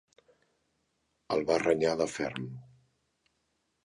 El va renyar de ferm.